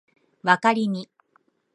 わかりみ